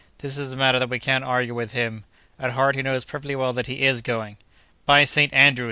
"This is a matter that we can't argue with him. At heart he knows perfectly well that he is going." "By Saint Andrew!"